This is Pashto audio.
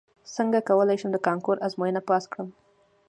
څنګه کولی شم د کانکور ازموینه پاس کړم